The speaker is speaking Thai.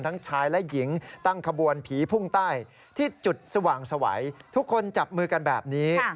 ทั้งชายและหญิงตั้งขบวนผีพุ่งใต้ที่จุดสว่างสวัยทุกคนจับมือกันแบบนี้